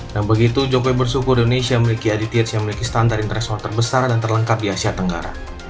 dan begitu jokowi bersyukur indonesia memiliki adts yang memiliki standar internet smart terbesar dan terlengkap di asia tenggara